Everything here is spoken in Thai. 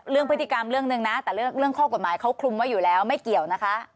เรื่องพฤติกรรมเรื่องหนึ่งนะแต่เรื่องข้อกฎหมายเขาคลุมไว้อยู่แล้วไม่เกี่ยวนะคะ